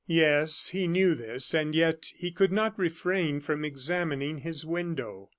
Yes, he knew this, and yet he could not refrain from examining his window.